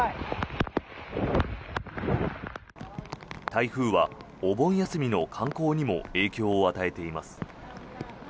台風はお盆休みの観光にも影響を与えています。